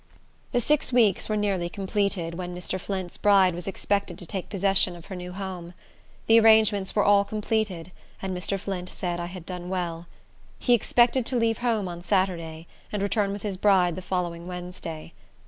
The six weeks were nearly completed, when Mr. Flint's bride was expected to take possession of her new home. The arrangements were all completed, and Mr. Flint said I had done well. He expected to leave home on Saturday, and return with his bride the following Wednesday.